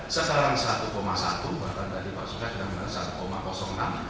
sekarang satu satu bahkan tadi pak surya dengan satu enam